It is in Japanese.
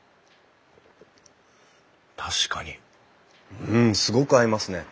確かにうんすごく合いますね。